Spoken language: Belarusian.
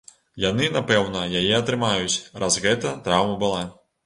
Яны, напэўна, яе атрымаюць, раз гэта траўма была.